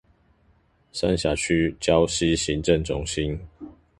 三峽區礁溪行政中心